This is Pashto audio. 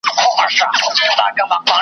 چي د حق پړی یې غاړي ته زیندۍ کړ .